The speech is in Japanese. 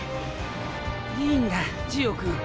いいんだジオ君。